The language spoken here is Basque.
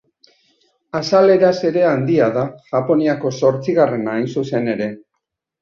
Azaleraz ere handia da, Japoniako zortzigarrena hain zuzen ere.